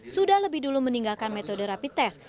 sudah lebih dulu meninggalkan metode rapi tes